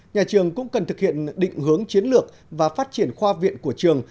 nhà trường cũng cần thực hiện định hướng chiến lược và phát triển khoa viện của trường